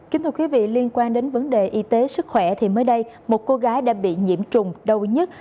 kính thưa quý vị liên quan đến vấn đề y tế sức khỏe thì mới đây một cô gái đã bị nhiễm trùng đầu nhất